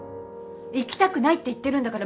行きたくないって言ってるんだから